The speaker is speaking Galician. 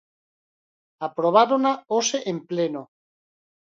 Aprobárona hoxe en pleno.